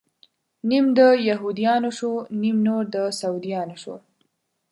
نيم د يهود يانو شو، نيم نور د سعوديانو شو